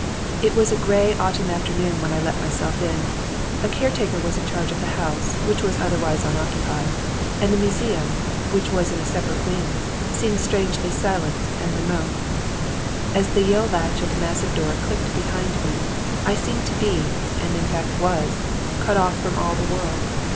It was a gray autumn afternoon when I let myself in. A caretaker was in charge of the house, which was otherwise unoccupied, and the museum, which was in a separate wing, seemed strangely silent and remote. As the Yale latch of the massive door clicked behind me, I seemed to be, and in fact was, cut off from all the world.